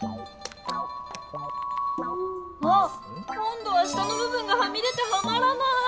あ今どは下のぶ分がはみ出てはまらない！